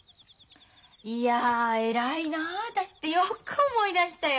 いや偉いな私ってよく思い出したよ。